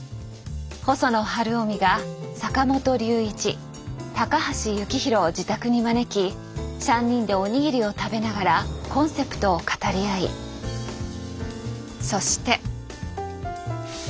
細野晴臣が坂本龍一高橋幸宏を自宅に招き３人でお握りを食べながらコンセプトを語り合いそして。